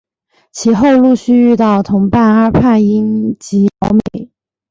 其后陆续遇到同伴阿帕因及毛美。